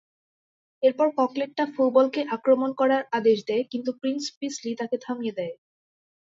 এরপর ককলেটটা ফৌবলকে আক্রমণ করার আদেশ দেয়, কিন্তু প্রিন্স পিসলি তাকে থামিয়ে দেয়।